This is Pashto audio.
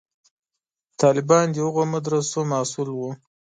طالبان د هغو مدرسو محصول وو.